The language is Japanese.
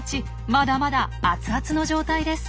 まだまだアツアツの状態です。